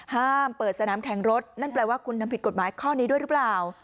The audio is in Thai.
ห้ามเปิดสนามแข่งรถนั่นแปลว่าคุณทำผิดกฎหมายข้อนี้ด้วยหรือเปล่า